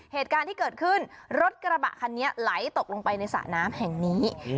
เหตุการณ์ที่เกิดขึ้นรถกระบะคันนี้ไหลตกลงไปในสระน้ำแห่งนี้